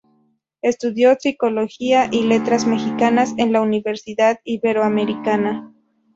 Estudió psicología y letras mexicanas en la Universidad Iberoamericana.